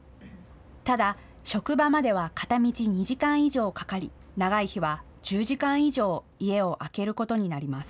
ただ職場までは片道２時間以上かかり長い日は１０時間以上、家を空けることになります。